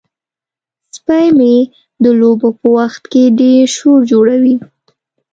سپی مې د لوبو په وخت کې ډیر شور جوړوي.